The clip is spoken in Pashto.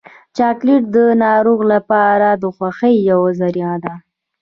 چاکلېټ د ناروغ لپاره د خوښۍ یوه ذره ده.